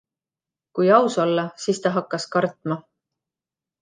Kui aus olla, siis ta hakkas kartma.